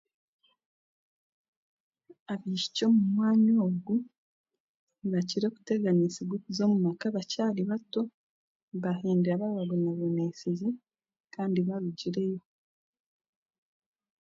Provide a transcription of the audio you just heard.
Abaishiki omu mwanya ogu nibakira kuteganiisibwa okuza omuuka baakyari bato bahendera baababonaboneise kandi barugireyo